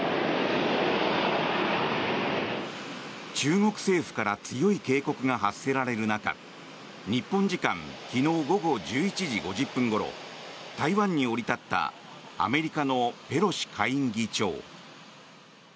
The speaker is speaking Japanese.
中国政府から強い警告が発せられる中日本時間昨日午後１１時５０分ごろ台湾に降り立ったアメリカのペロシ下院議長。